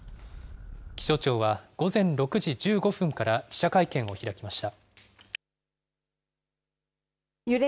気象庁は午前６時１５分から記者会見を開きました。